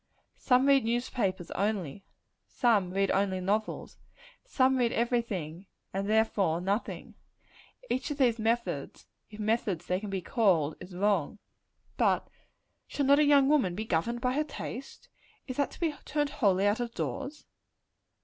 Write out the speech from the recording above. Some read newspapers only; some read only novels; some read every thing, and therefore nothing: Each of these methods if methods they can be called is wrong. But shall not a young woman be governed by her taste? Is that to be turned wholly out of doors?